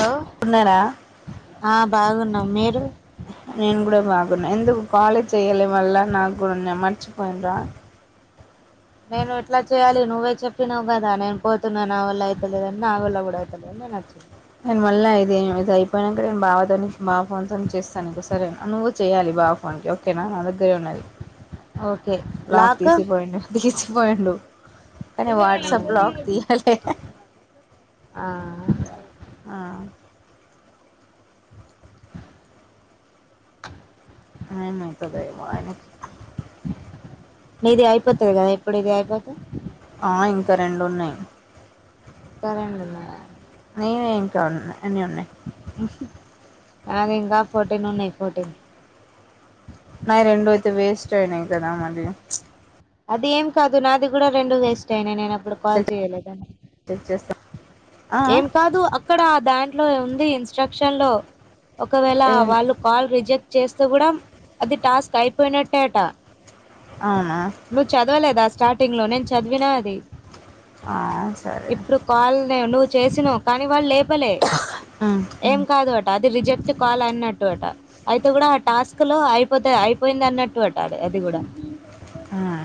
Hello ఉన్నార ఆ బాగున్నాం మీరు నేను కూడా బాగున్నా ఎందుకు కాళ చెయాలి వల్ల నాకు కూడా మర్చిపోయిన రా నేను ఎట్లా చేయాలి నువ్వే చెప్పినావు కదా నేను పోతున్నా నా వల్ల అవుతలేదని నా వల్ల కూడా అయితలేదు ఎనర్జీ నేను మళ్ళా ఇద ఇది అయిపోయినాక నేను బావతో బా ఫోన్ తోని చేస్తానుకోసరే నువ్వు చేయాలి బా ఫోన్కి ఓకేనా నా దగ్గరే ఉన్నది లాక్ తీసిపోయి తీ పోయిండు కనీ వాట్సాప్ బ్లాగ్ తీయాల ఆ ఆ ఏమవుతుందో ఏమో ఆయనకి మీది అయిపోతది కదా ఇప్పుడు ఇది అయిపోతే ఆ ఇంకా రెండు ఉన్నాయి ఇంక రెండున్నాయ నేనే ఇంకా ఉన్నా అన్నీ ఉన్నాయి అది ఇంకా ఫోర్టీన్ ఉన్నాయి ఫోర్టీన్ న రెండుూ ఇయితే వేస్ట్యనే కదా మది అది ఏం కాదు నాది కూడా రెండు వేస్ట్ అయినా నేను అప్పుడు కాల్ చెక్ చేయ్యలే కానీ చెక్ చేస్తా ఆ, ఏం కాదు అక్కడ దాన్ ట్లో ఉంది ఇన్స్ట్రక్షన్ లో ఒకవేళ ఏం- వాళ్ళు కాల్ రిజెక్ట్ చేస్తే కూడా అది టాస్క్ అయిపోయినట్టే అట అవునా లేదా స్టార్టింగ్ లో నేను చదివిన అది ఆ సరే ఇప్పుడు కాల్ం చేసిన కానీ వాళ్ళు లేపలే ఉమ్, ఏం కాదు అ అది రిజెక్ట్ కాల్ అన్నట్టు అట అయితే కూడా ఆ టాస్క్ లో అయి పోతే అయిపోయింది అన్నట్టు అట్టడు అది కూడా ఉమ్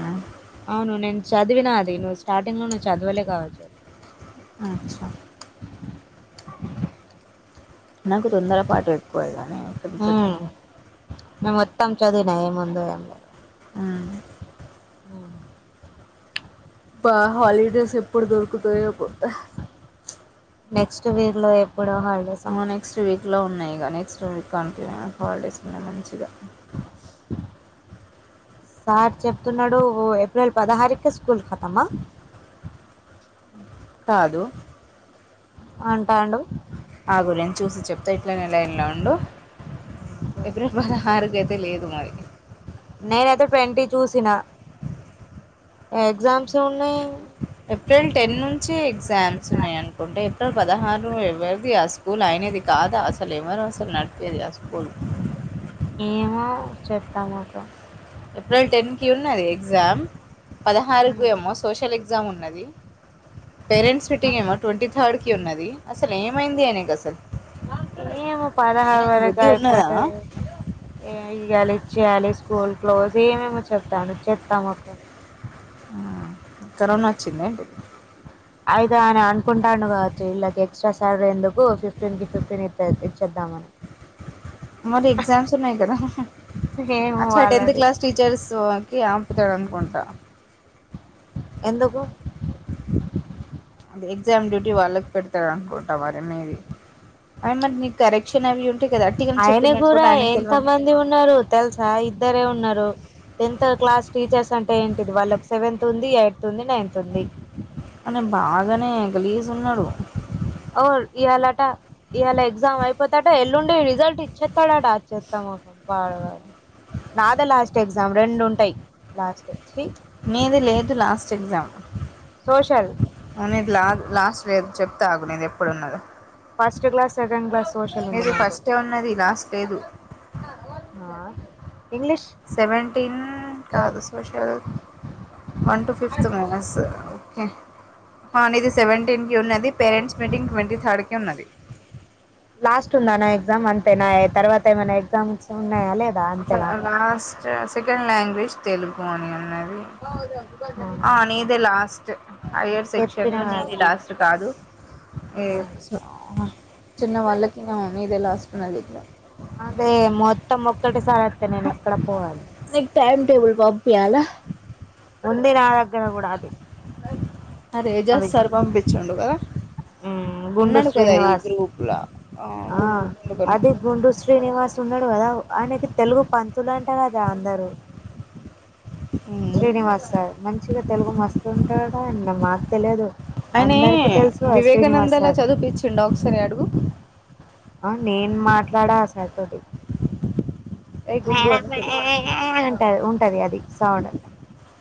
అవును నేను చదివిన అది నువ్వు స్టార్టింగ్ లో నువ్వు చదవలే కావచ్చు అచా నాకు తొందరపాటు ఎక్కువే కానీ కించలేడి మే మొత్తం చదివిన ఏముందో ఏంలేదు ఉమ్ ఉ బా హాలిడేస్ ఎప్పుడు దొరుకుతాయో నెక్స్ట్ వీక్ లో ఎప్పుడ హాలిడేస్ అమ్మ ట్లో ఉన్నాయి ఇక నెక్స్ట్ వీక్ కాంటిన్య హాలిడేస్ ఉన్నాయి మంచిగా అ సార్ చెప్తున్నాడు ఓ ఏప్రిల్ పదహారేకి స్కూల్ కతామా కాదు అంటాండు అగు నేను చూసి చెప్తా ఇట్లనే లైన్లో ఉండు ఏప్రిల్ పదహారుకైతే లేదు మరి నేనైతే ట్వంటీ చూసిన ఎగ్జామ్స్ ఉన్నాయి ఏప్రిల్ టెన్ నుంచి ఎగ్జామ్స్ ఉన్నాయి అనుకుంటే ఏప్రిల ఎవరిది ఆ స్కూల్ అయి అనేది కాదా అసలు ఎవరు అసలు నడిపేది ఆ స్కూల్ ఏమో చెప్తాముకు ఏప్రిల్ టెన్ కి ఉన్నది ఎగ్జామ్ పదహారుకు ఏమో సోషల్ ఎగ్జామ్ ఉన్నది పేరెంట్స్ మీటింగ్ ఏమో ట్వంటీ థర్డ్ కి ఉన్నది అసలు ఏమైంది అనేక అసలు ఏమో పదహారు ఆయనకు వరకు బుద్ధి ఉన్నదా అయిపోతుది ఏ ఇగలి చేయాలి స్కూల్ క్లోజ్ ఏమేమో చెప్తాను చెస్తాము కరోనా వచ్చిందంటిడి అవుదా అని అనుకుంటాడు కావచ్చు ఇీళ్కి ఎక్స్ట్రా సాలరీ ఎందుకు ఫిఫ్టీన్ కి ఫిఫ్టీన్ ఇ ఇచ్చేద్దామని మరి ఎగజామ్స్న్నాయి కదా ఏమో అచ్చ టెన్త్ వాళ్ళది క్లాస్ టీచర్స్ కి ఆంపుతాడు అందకుంటా ఎందుకు అ ఎగ్జామ్ డ్యూటీ వాళ్ళకి పెడతారు అనుకుంటా మరి మీది అ మరి నీకు కరెక్ట్ ఆయన కూడా ఎంత తెలవదు మంది ఉన్నారు తెలుసా ఇద్దరే ఉన్నారు టెన్త్ క్లాస్ టీచర్స్ అంటే ఏంటిది వాళ్ళకి సెవెంతత్ ఉంది ఎయిత్ ఉంది నైన్త్ ఉంది అని బాగానే గాలిగే ఉన్నాడు ఇలా ఇవాళ ఎగ్జామ్ అయిపోతట ఎల్లుండి రిజల్ట్ ఇచ్చేస్తాడట వచ్చేస్తాం మా బా నాదా లాస్ట్ ఎగ్జామ్ రెండు ఉంటాయి లాస్ట్ ఛీ మీది లేదు లాస్ట్ ఎగ్జామ్ సోషల్ వు నది లా లాస్ట్ వేర్ చెప్తా ఆగు ఎప్పుడున్నది first class second class social మా ఫస్టే ఉన్నది లాస్ట్ లేదు ఆ ఇంగ్లీష్ సెవెంటీన్ కాదు social one two fifth maths ఇది సెవెంటీన్ కి ఉన్నది పేరెంట్స్ మీటింగ్ ట్వంటీ థర్డ్కి ఉన్నది లాస్ట్ ఉందానా ఎగ్జామ్ అంతేనా తర్వాత ఏమైనా ఎగ్జామ్ స ఉన్నాయా లేదా అంతే నాకు లాస్ట్ సెకండ్ లాంగ్వేజ్ తెలుగు అని అన్నారు అవుద ఆ నీదే లాస్ట్ హయర్ సెక్షన్ చెప్పిన లో నీది కదా లాస్ట్ కాదు ఏ చిన్న వాళ్ళకి న ఇదలాస్ట్న్ అళకి అదే మొత్తం మొక్కటి సార్ టైమ్ టేబుల్ పంపిియాాల ఉంది నా దగ్గర కూడా అది ఆ రేజాస్ అది సార్ పంపించండుగాద గుండు శ్రీనివాస్ ఆ గుండు గుండు కను అది గుడు శ్రీనివాస్ న్నాడు కదా ఆయనకి తెలుగు పంతులు అంటే కదా అందరుూ ఉమ్ శ్రీనివాస్ సార్ మంచిగా తెలుగు మస్తుంటాడా అండ్ మాకు తెలియదు అని అందరికి తెలుసు ఆ శ్రీనివాస్ వివేకానందలా సార్ చదిపచ్చిం ఒకసారి అడుగు ఆ నేను మాట్లాడా ఆసార్ తోటి ఏ గుండు అని పిలువు ఉంటది ఉంటది అది సౌడ్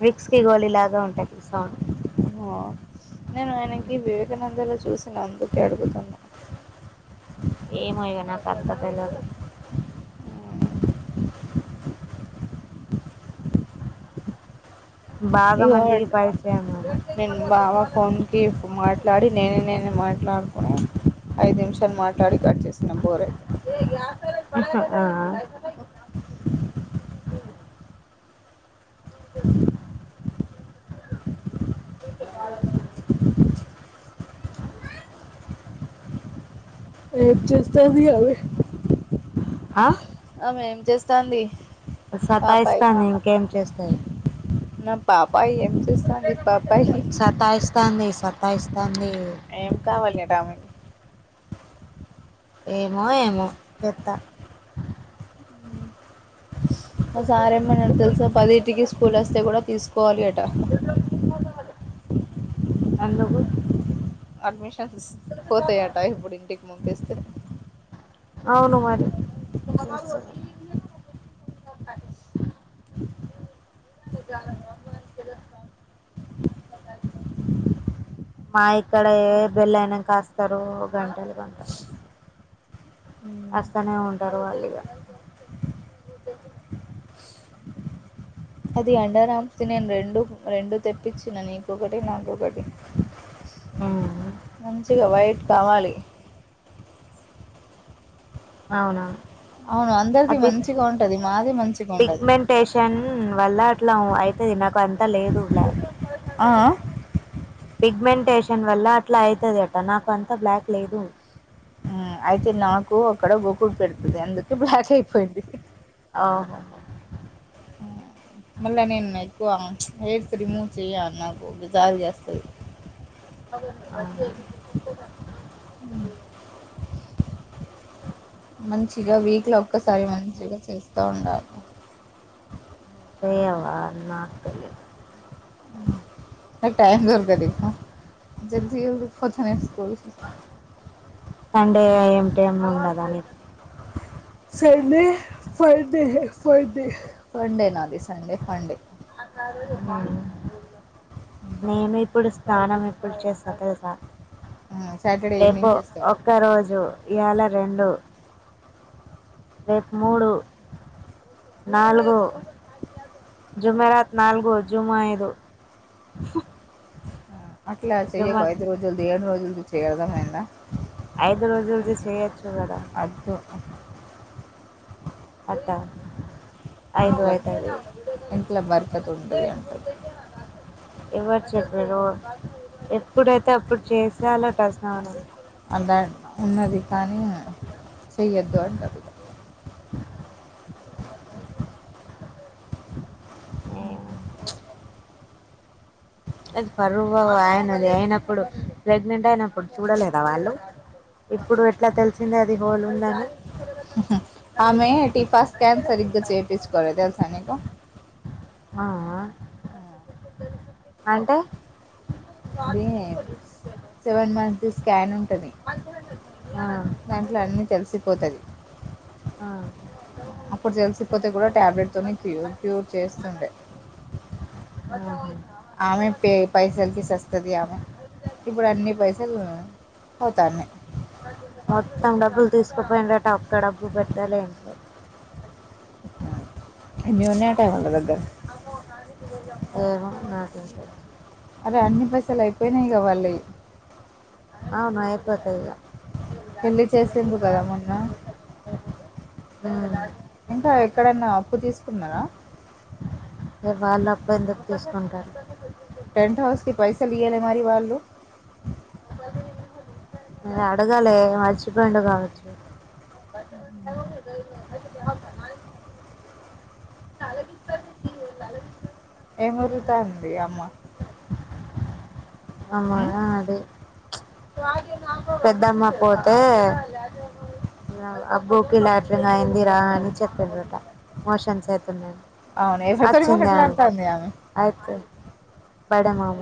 విక్స్ కి గోళలాగా ఉంటాయి తెలుసం ఆ నేను ఆయనకి వివేకానంద లో చూసిన అందుకే అడుగుతున్నా ఏంయగా నా కత పేల బాగా ఇగో మందికి పరిచయంము నేను బాబా ఫోన్ కి మాట్లాడి నేనే నేనే మాట్లాడుకున్నాను ఐదు నిమిషాలు మాట్లాడి కట్ చేసినాం బోర్యితే ఆ ఎందుకు [inaudible] ఏం చేస్తాంది ఆమె. ఆమె ఏం చేస్తాంది? సతా పాపాయి ఇస్తాంది ఇంకేం చేస్తది. నా పాపాయి ఏం చేస్తాంది పాపాయి. సతాయిస్తాంది సతాయిస్తాంది ఏం కావాలి అట ఆమెకి. ఏమో ఏమో చేత్తా. హ్ మా సారేమన్నరు తెలుసా పదిటికి స్కూల్ వస్తే కూడా తీసుకోవాలి అటా. ఎందుకు? అడ్మిషన్స్ పోతయట ఇప్పుడు ఇంటికి పంపిస్తే. అవును మరి [inaudible] నిద కా అమా కద మా ఇక్కడే బెల్ అయినాంక అస్తరు గంటలు గంటలు అస్తనే ఉంటరు వాళ్లు ఇగా. అది అండర్ ఆమ్స్ ది నేను రెండు రెండు తెప్పించినా నీకొకటి నాకొకటి. ఉమ్ మంచిగా వైట్ కావాలి. అవునా. అవును అందరిది మంచిగా ఉంటది. మా పిగ్మెంటేషన్ వల్ల అట్లా అయితది నాకు అంతా లేదు బ్లాక్. ఆ ఆ పిగ్మెంటేషన్ వల్ల అట్లా అవుతది అటా నాకు అంతా బ్లాక్ లేదు. అయితే నాకు అక్కడ గోకుడు పెడుతుంది అందుకే బ్లాక్ అయిపోయింది. ఓహో ఆ మళ్ళనిన్న ఎక్కువ హేర్స్ రిమూవ్ చెయా నాకు విజారి చేస్తది. అహా [inaudible] మంచిగా వీక్ లో ఒక్కసారి మంచిగా చేస్తా ఉండాలే. ఓ యవ్వా నాతల్లే. నాకు టైమ్ దొర తలేదు జల్ది [inaudible] కొంచం ఏ స్కూల్. ఏం ఉండదు అని. [inaudible] సండే ఫండే ఫండే ఫండే నాది సండే ఫండే. నేను ఇప్పుడు స స్నానం ఎప్పుడు చేస్తా తెలుసా సాటర్డే రేపు ఈవినింగ్ చేస్తావు ఒక్క రోజు. ఈయాల రెండు. రేపు మూడు నాలుగు జుమ్మెరాత్ నాలుగు, జుమ్మా ఐదు. ఆ, అట్లా చెయ్యకు జుమా ఐదు రోజులుది ఏడు రోజులుది చేయు అర్ధమైందా. ఐదు రోజులది చేయొచ్చు కదా. అద్దు అట్ట ఐదు ఇంట్లో అయితది. ఇంట్లో బర్కత్ ఉంటుంది అంటారు ఎవ్వరు చెప్ ఎప్పుడైతే అప్పుడు చేసేయాలట స్నానం. అలా ఉన్నది కానీ చెయ్యొద్దు అంటర్రు ఇగా. [inaudible] హ్మ్ అది పరువా ఆయనది అయినప్పుడు ప్రెగ్నెంట్ అయినప్పుడు చూడలేదా వాళ్ళు ఇప్పుడు ఎట్లా తెలిసింది అది హోల్ ఉందని ఆమె టిఫా స్కాన్ సరిగ్గా చేప్పించుకోల తెలుసా నీకు ఆ అంటే అదీ సెవెన్ మంత్స్ స్కానింగ్ ఉంటది ఆ దాంట్లో అన్నీ తెలిసిపోతది ఆ అప్పుడు జెలిసిపోతే కూడా టాబ్లెట్ తోనే క్యూ క్యూర్ చేస్తుండే ఆహ ఆమె పే పైసలకి సస్తది ఆమె ఇప్పుడు అన్నీ పై సల్ పోతాన్నాయ్ మొత్తం డబ్బులు తీసుకుపోయిండట ఒక్క డబ్బు పెట్టలే ఇంట్లో ఎన్ని ఉన్నాయట వాళ్ళ దగ్గర్ ఏమో నాకేం తెలుసు పైసల్ అయిపోయినాయిగా వాళ్ళయ్ అవును అయిపోతాయ్ ఇగ పెళ్లి చేసిండ్రు కదా మొన్న ఉమ్ ఇంకా ఎక్కడన్నా అప్పు తీసుకున్నారా వే వాళ్ళు అప్పు ఎందుకు తీసుకుంటారు పెంట్ హౌస్ కి పైసలు ఇయ్యలే మరి వాళ్లు అడగాలే మర్చిపోయిండు కావచ్చు [unintelligible] ఏం వొర్రుతాంది అమ్మ అమ్మా ఉం? అది ప్చ్ పెద్దమ్మ పోతే ఆ అబ్బూకి లాటరింగ్ అయిందిరా అని చెప్పిండ్రట మోషన్స్ అయితున్నాయ్ అవును ఎవరితో అచ్చిందా మాట్లాడుతుంది ఆమె అయితే బడే మామ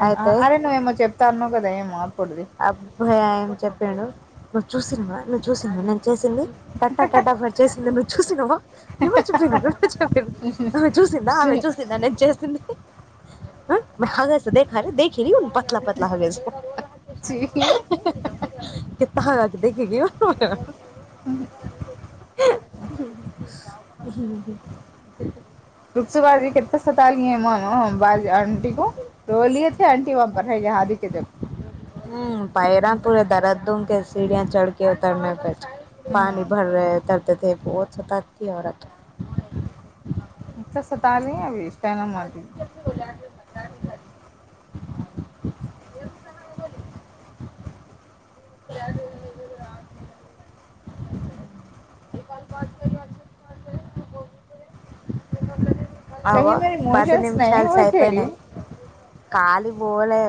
అన్- ఆ- అయితే అరే నువ్వేమో చెప్తా అన్నావు కదా ఏమో అప్పుడుది అబ్బయా ఏం చెప్పిండు నువ్వు చూసినవ నువ్వు చూసినవ నే చూసింది కట్టా కట్ట కట్ చేసింది నువ్వు చూసినవా ఎవడు చెప్పిండు ఎవడు చెప్పిండు ఆమె చూసిందా ఆమె చూసిందా నేను చేసింది [unintelligible] కిత్తహోనాకి దేక్ ఎ గే రుక్స బాబి కిత్తా సతాయి హే మాలుమ్ బాజి ఆంటీ కు రోలియే తే ఆంటి వహా పర్ [unintelligible] కిజప్ పైరా పూరే దరద్ దూక సీడియా చడక ఉతర ప [unintelligible] పాని భర ర తర్దది బోహత్ సతాతీ యే ఔరత్ [unintelligible] అచ్చాసతానే అబి తానా మార్తీ [unintelligible] [inaudible] అగో పది నిమిషాలు సరి పోయినాయి కాలీ పోలే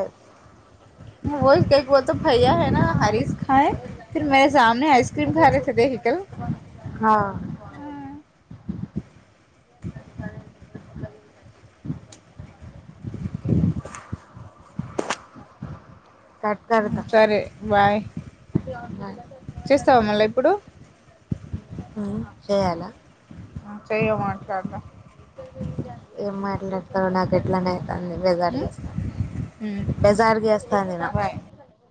వో భైయా హ హరిస కాయి ఫ మేరే సమని ఆయిస్ క్రీమ్ కారే ద పికల్ హా కట్కకర్ దాల్ సరే బాయ్ బాయ్. చేస్తావా మళ్ళీ ఇప్పుడు హా చేయాలా హా చెయ్యే మాట్లాడుదాం. ఏం మాట్లాడతావు నాకు ఎట్లనే అయితంది బెజార్గాసలు బెజార్ జేస్తాంది నాకు బాయ్